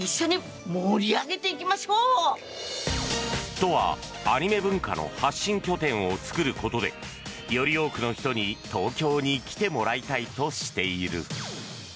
都は、アニメ文化の発信拠点を作ることでより多くの人に東京に来てもらいたいとしている。